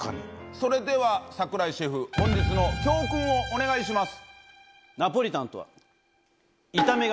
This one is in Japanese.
それでは櫻井シェフ本日の教訓をお願いします。